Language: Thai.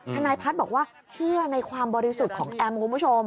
ทนายพัฒน์บอกว่าเชื่อในความบริสุทธิ์ของแอมคุณผู้ชม